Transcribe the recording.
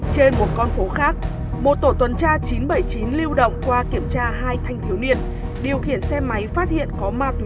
trên một con phố khác một tổ tuần tra chín trăm bảy mươi chín lưu động qua kiểm tra hai thanh thiếu niên điều khiển xe máy phát hiện có mặt